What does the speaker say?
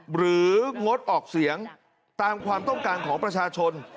งดออกเสียงตามความต้องการของประชาชน